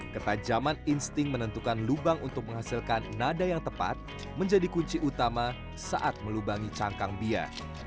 ketajaman insting menentukan lubang untuk menghasilkan nada yang tepat menjadi kunci utama saat melubangi cangkang bia